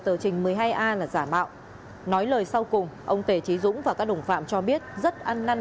tờ trình một mươi hai a là giả mạo nói lời sau cùng ông tề trí dũng và các đồng phạm cho biết rất ăn năn